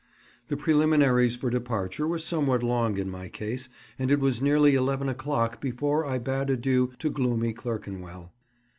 The preliminaries for departure were somewhat long in my case, and it was nearly eleven o'clock before I bade adieu to gloomy Clerkenwell.